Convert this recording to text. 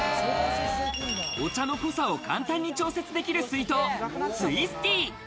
お茶の濃さを簡単に調節できる水筒、ツイスティー。